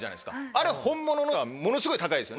あれは本物のはものすごい高いですよね。